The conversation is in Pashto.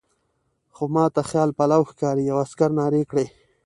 خو ما ته خیال پلو ښکاري، یوه عسکر نارې کړې.